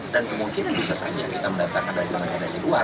dan kemungkinan bisa saja kita mendatangkan dari tenaga tenaga luar